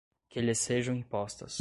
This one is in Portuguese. que lhe sejam impostas